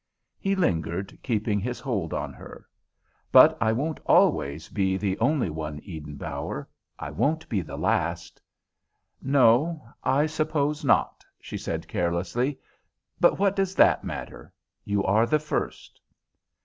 He lingered, keeping his hold on her. "But I won't always be the only one, Eden Bower. I won't be the last." "No, I suppose not," she said carelessly. "But what does that matter? You are the first."